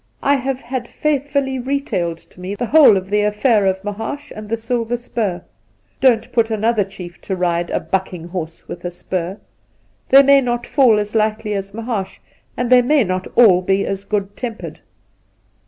I have had faithfully retailed to me the whole of the aflfair of Mahaash and the silver spur. Don't put another chief to ride a bucking horse with a spur. They may not all fall as lightly as Mahaash, and they may not all be as good tempered.'